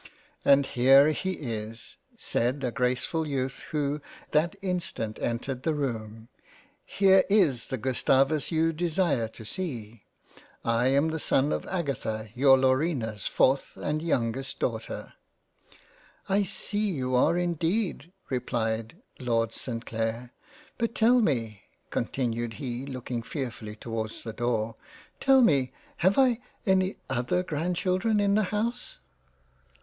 '* And here he is ; (said a Gracefull Youth who that in stant entered the room) here is the Gustavus you desire to 22 £ LOVE AND FREINDSHIP £ see. I am the son of Agatha your Lamina's 4th and youngest Daughter." " I see you are indeed ; replied Lord St. Clair — But tell me (continued he looking fearfully towards the Door) tell me, have I any other Grand children in the House."